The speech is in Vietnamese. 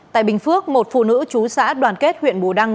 tại bình phước một phụ nữ chú xã đoàn kết huyện bù đăng